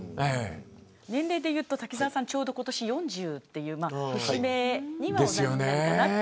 年齢でいうと滝沢さんはちょうど今年で４０という節目にはなります。